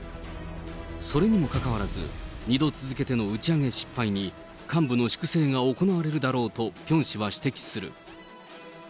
それにもかかわらず、２度続けての打ち上げ失敗に、幹部の粛清が行われるだろうと、ピョン氏は指摘する。